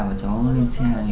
và cháu lên xe